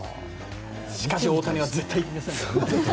しかし大谷は絶対許さない。